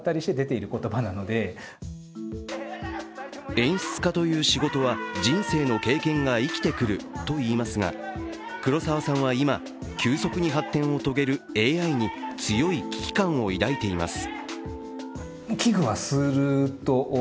演出家という仕事は人生の経験が生きてくるといいますが、黒沢さんは今、急速に発展を遂げるＡＩに、強い危機感を抱いています。